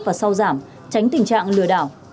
và sau giảm tránh tình trạng lừa đảo